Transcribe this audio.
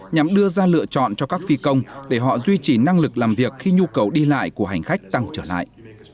nhằm đưa ra lựa chọn cho các phi công để họ duy trì năng lực làm việc khi nhu cầu đi lại của hành khách tăng trở lại